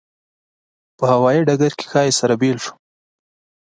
په هوایي ډګر کې ښایي سره بېل شو.